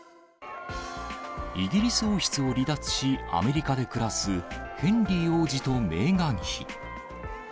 イギリス王室を離脱し、アメリカで暮らすヘンリー王子とメーガン妃。